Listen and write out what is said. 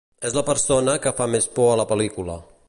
És la persona que fa més por a la pel·lícula.